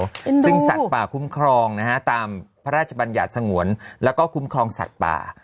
ซึ่งสัตว์ป่าคุ้มครองนะฮะตามพระราชบัญญัติสงวนแล้วก็คุ้มครองสัตว์ป่า